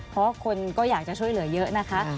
เพราะคนก็อยากจะช่วยเหลือเยอะนะคะ